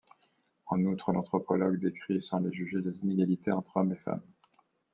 En outre, l'anthropologue décrit sans les juger les inégalités entre hommes et femmes.